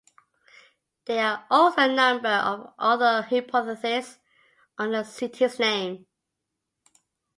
There are also number of other hypotheses on the city's name.